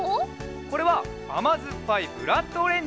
これはあまずっぱいブラッドオレンジ。